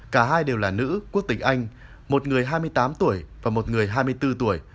cả hai đều là nữ quốc tịch anh một người hai mươi tám tuổi và một người hai mươi bốn tuổi